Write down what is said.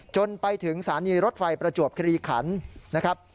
จนไปถึงสถานีรถไฟประจวบคลีขันนะครับ